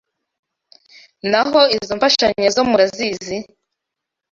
N’aho izo mfashanyo zo murazizi